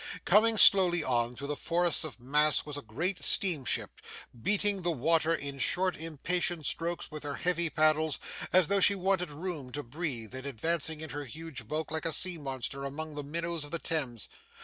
Coming slowly on through the forests of masts was a great steamship, beating the water in short impatient strokes with her heavy paddles as though she wanted room to breathe, and advancing in her huge bulk like a sea monster among the minnows of the Thames.